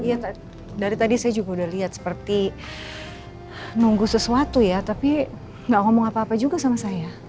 iya dari tadi saya juga udah lihat seperti nunggu sesuatu ya tapi gak ngomong apa apa juga sama saya